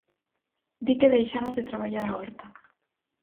Di que deixamos de traballar a horta.